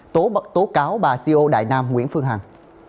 tố bật tố cáo bà co đại nam nguyễn phương hằng